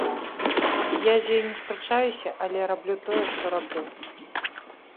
Я з ёй не спрачаюся, але раблю тое, што раблю.